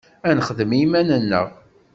Ad nexdem i yiman-nneɣ.